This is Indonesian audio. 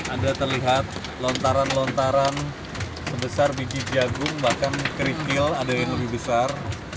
ada terlihat lontaran lontaran sebesar biji jagung bahkan kerikil ada yang lebih besar